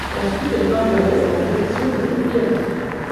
Ensuite, elle part vers l'est en direction de la Bulgarie.